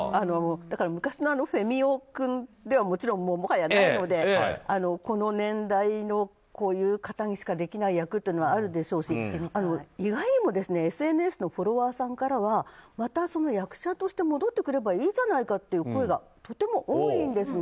昔のフェミ男君ではもちろん、もはやないのでこの年代のこういう方にしかできない役というのがあるでしょうし、意外にもＳＮＳのフォロワーさんからはまた役者として戻ってくればいいじゃないかという声がとても多いんですね。